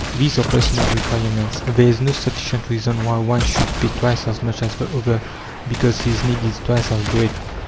These are personal requirements. There is no sufficient reason why one should pay twice as much as the other because his need is twice as great.